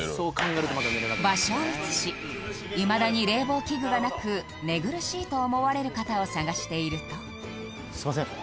場所を移しいまだに冷房器具がなく寝苦しいと思われる方を探しているとすみません。